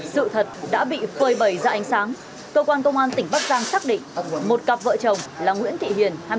sự thật đã bị phơi bầy ra ánh sáng cơ quan công an tỉnh bắc giang xác định một cặp vợ chồng là nguyễn thị hiền